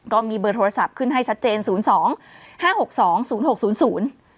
ก็มีเบอร์โทรศัพท์ขึ้นให้ชัดเจนสูญสองห้าหกสองสูญหกสูญสูญ